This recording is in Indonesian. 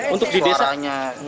untuk di desa